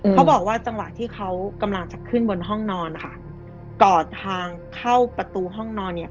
เขาบอกว่าจังหวะที่เขากำลังจะขึ้นบนห้องนอนนะคะกอดทางเข้าประตูห้องนอนเนี่ย